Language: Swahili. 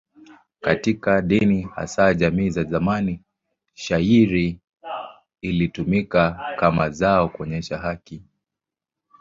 Katika dini, hasa jamii za zamani, shayiri ilitumika kama zao kuonyesha haki.